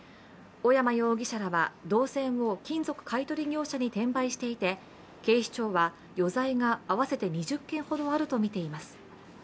小山容疑者らは銅線を金属買い取り業者に転売していて警視庁は余罪が合わせて２０件ほどあるとみています。